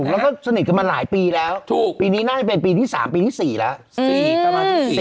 แล้วก็สนิทกันมาหลายปีแล้วถูกปีนี้น่าจะเป็นปีที่๓ปีที่๔แล้ว